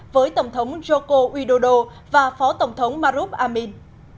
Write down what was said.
với tổng thống joko widodo và phó tổng thống marub amin